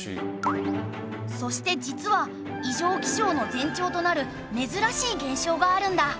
そして実は異常気象の前兆となる珍しい現象があるんだ。